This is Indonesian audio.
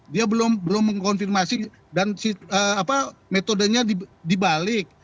dia belum mengkonfirmasi dan metodenya dibalik